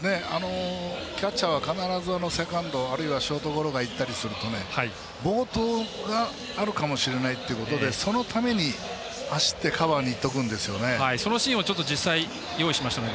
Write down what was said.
キャッチャーは必ずセカンド、あるいはショートゴロがいったりすると暴投があるかもしれないということでそのために走ってそのシーンを実際、ご用意しました。